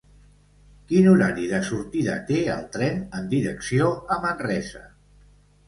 Quin horari de sortida té el tren en direcció a Manresa?